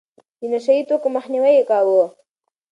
د نشه يي توکو مخنيوی يې کاوه.